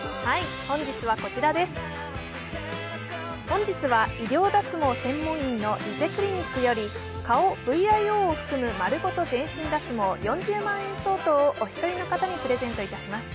本日は、医療脱毛専門院のリゼクリニックより顔・ＶＩＯを含むまるごと全身脱毛「４０万円相当」をお一人の方にプレゼントいたします。